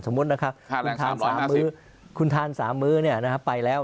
สมมตินะครับคุณทาน๓มื้อนี่นะครับไปแล้ว